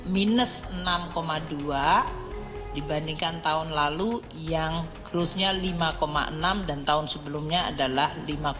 minus enam dua dibandingkan tahun lalu yang growth nya lima enam dan tahun sebelumnya adalah lima enam